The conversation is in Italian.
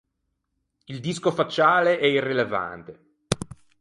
Il disco facciale è irrilevante.